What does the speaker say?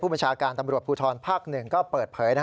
บัญชาการตำรวจภูทรภาค๑ก็เปิดเผย